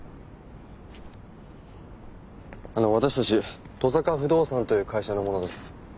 あの私たち登坂不動産という会社の者です。